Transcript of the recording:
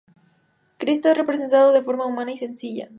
Cristo es representado de forma humana y sencilla.